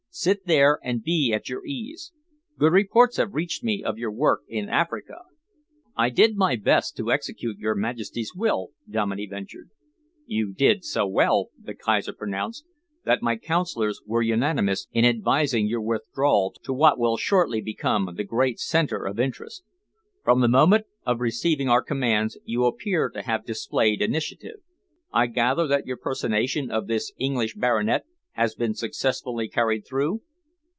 "Sit there and be at your ease. Good reports have reached me of your work in Africa." "I did my best to execute your Majesty's will," Dominey ventured. "You did so well," the Kaiser pronounced, "that my counsellors were unanimous in advising your withdrawal to what will shortly become the great centre of interest. From the moment of receiving our commands you appear to have displayed initiative. I gather that your personation of this English baronet has been successfully carried through?"